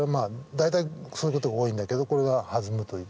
大体そういうことが多いんだけどこれが弾むという。